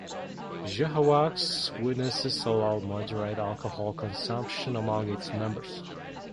Jehovah's Witnesses allow moderate alcohol consumption among its members.